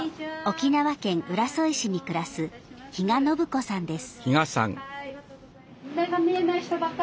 沖縄県浦添市に暮らす比嘉信子さんです。